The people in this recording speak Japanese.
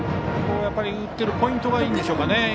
打ってるポイントがいいんでしょうかね。